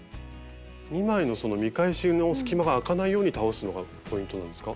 ２枚のその見返しの隙間があかないように倒すのがポイントなんですか？